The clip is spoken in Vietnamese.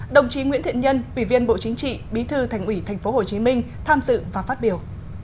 đồng chí nguyễn thiện nhân ủy viên bộ chính trị bí thư thành ủy tp hcm tham dự và phát biểu